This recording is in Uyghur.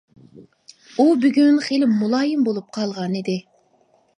ئۇ بۈگۈن خېلى مۇلايىم بولۇپ قالغان ئىدى.